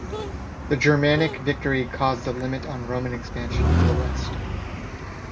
The Germanic victory caused a limit on Roman expansion in the West.